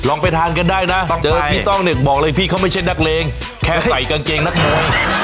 ไปทานกันได้นะเจอพี่ต้องเนี่ยบอกเลยพี่เขาไม่ใช่นักเลงแค่ใส่กางเกงนักมวย